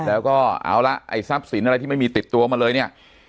แล้วก็เอาละไอ้ทรัพย์สินอะไรที่ไม่มีติดตัวมาเลยเนี่ย